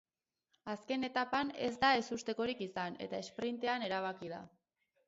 Azken etapan ez da ezustekorik izan eta esprintean erabaki da.